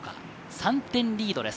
３点リードです。